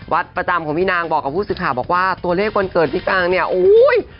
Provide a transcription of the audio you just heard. วัดประจำของพี่นางบอกกับผู้ศึกฐะบอกว่าตัวเลขวันเกิดพี่กางเนี่ยโอ้ย